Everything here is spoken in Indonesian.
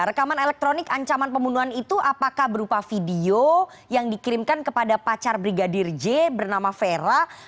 rekaman elektronik ancaman pembunuhan itu apakah berupa video yang dikirimkan kepada pacar brigadir j bernama vera